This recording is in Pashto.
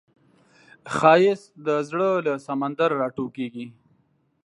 ښایست د زړه له سمندر راټوکېږي